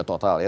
ya total ya